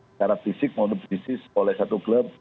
secara fisik mau dipetisi oleh satu klub